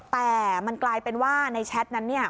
แต่มันกลายเป็นว่าในแชทนั้น